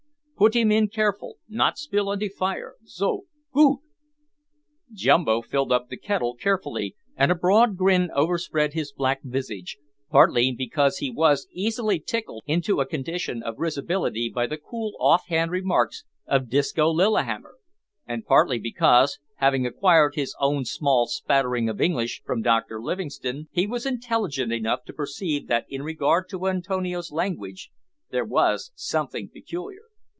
Put him in careful. Not spill on de fire zo goot." Jumbo filled up the kettle carefully, and a broad grin overspread his black visage, partly because he was easily tickled into a condition of risibility by the cool off hand remarks of Disco Lillihammer, and partly because, having acquired his own small smattering of English from Dr Livingstone, he was intelligent enough to perceive that in regard to Antonio's language there was something peculiar.